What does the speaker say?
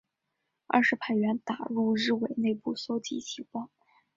二是派员打入日伪内部搜集情报。